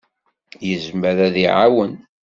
Yezmer ad d-iɛawen.